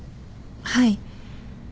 はい。